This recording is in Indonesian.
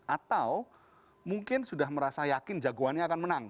atau mungkin sudah merasa yakin jagoannya akan menang